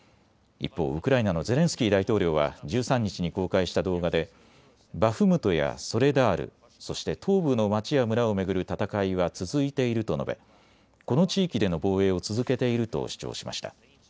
一方、ウクライナのゼレンスキー大統領は１３日に公開した動画でバフムトやソレダール、そして東部の町や村を巡る戦いは続いていると述べ、この地域での防衛を続けていると主張しました。